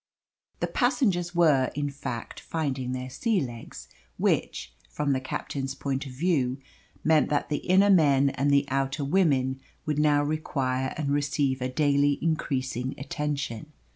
The passengers were, in fact, finding their sea legs, which, from the captain's point of view, meant that the inner men and the outer women would now require and receive a daily increasing attention.